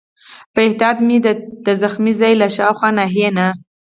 په احتیاط مې د ټپي ځای له شاوخوا ناحیې نه.